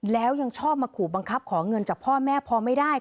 แล้วยังชอบมาขู่บังคับขอเงินจากพ่อแม่พอไม่ได้